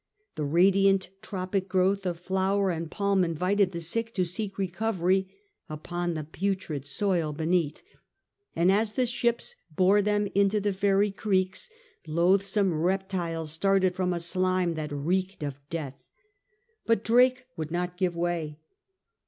•The radiant tropic growth of flower and palm invited the sick to seek recovery upon the putrid soil beneath, and as the boats bore them into the fairy creeks loath some reptiles started from a slime that reeked of death. But Drake would not give way.